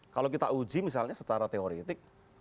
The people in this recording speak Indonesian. kalau kita uji misalnya secara teoretik